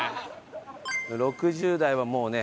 ６０代はもうね